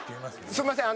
すいません